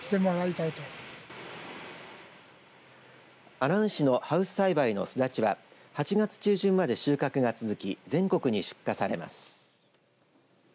阿南市のハウス栽培のすだちは８月中旬まで収穫が続き全国に出荷されます。